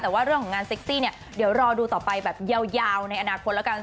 แต่ว่าเรื่องของงานเซ็กซี่เนี่ยเดี๋ยวรอดูต่อไปแบบยาวในอนาคตแล้วกัน